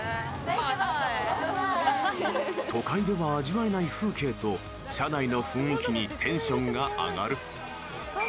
［都会では味わえない風景と車内の雰囲気にテンションが上がる］